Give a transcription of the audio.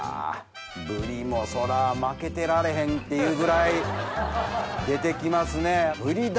ぶりもそら負けてられへんっていうぐらい出て来ますね。